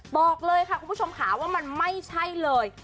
บอกเลยค่ะคุณผู้ชมค่ะว่ามันไม่ใช่เลย